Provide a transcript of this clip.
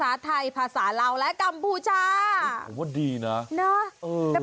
ภาษาไทยภาษาเราและกัมพูชาผมว่าดีนะเนอะ